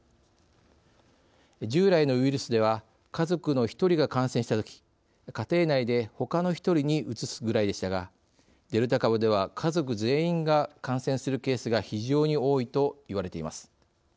従来のウイルスでは家族の１人が感染したとき家庭内でほかの１人にうつすぐらいでしたがデルタ株では家族全員が感染するケースが非常に多いと言われています。